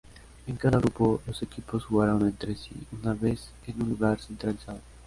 En cada grupo, los equipos jugaron entre sí una vez en un lugar centralizado.